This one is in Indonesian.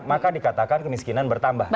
maka dikatakan kemiskinan bertambah